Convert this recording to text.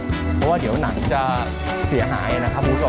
เพราะว่าเดี๋ยวหนังจะเสียหายนะครับคุณผู้ชม